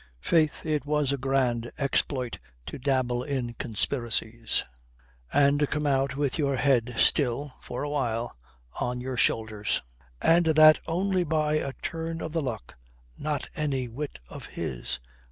Faith, it was a grand exploit to dabble in conspiracies and come out with your head still (for a while) on your shoulders. And that only by a turn of the luck, not any wit of his.